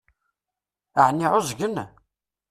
Ɛni ɛuẓgen?